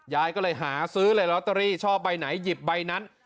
ยายก็เลยหาซื้อเลยลอตเตอรี่ชอบใบไหนหยิบใบนั้น